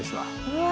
うわ。